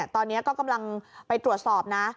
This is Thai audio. ตอนนี้ก็กำลังไปตรวจสอบนะ